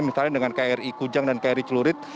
misalnya dengan kri kujang dan kri celurit